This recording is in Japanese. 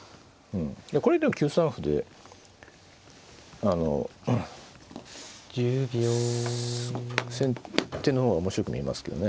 これ９三歩で先手の方が面白く見えますけどね。